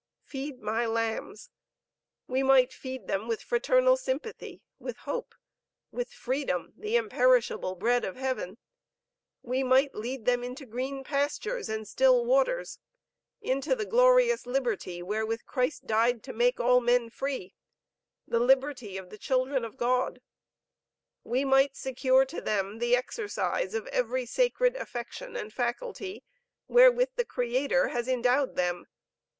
'Feed my lambs,' We might feed them with fraternal sympathy, with hope, with freedom, the imperishable bread of Heaven. We might lead them into green pastures and still waters, into the glorious liberty wherewith Christ died to make all men free, the liberty of the children of God. We might secure to them the exercise of every sacred affection and faculty, wherewith the Creator has endowed them.